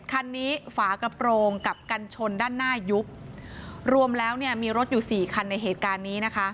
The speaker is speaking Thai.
ฝากระโปรงกับกันชนด้านหน้ายุบรวมแล้วเนี่ยมีรถอยู่สี่คันในเหตุการณ์นี้นะคะ